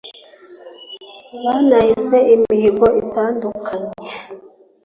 banahize imihigo itandukanye